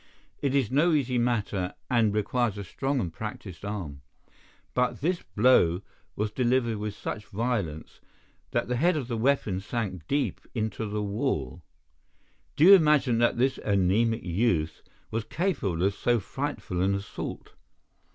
It is no easy matter, and requires a strong and practised arm. But this blow was delivered with such violence that the head of the weapon sank deep into the wall. Do you imagine that this an├"mic youth was capable of so frightful an assault?